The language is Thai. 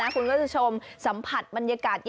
คุณก็จะชมสัมผัสบรรยากาศเย็น